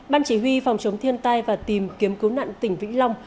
ban chỉ huy phòng chống thiên tai và tìm kiếm cứu nạn tỉnh vĩnh long